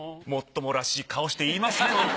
もっともらしい顔して言いますね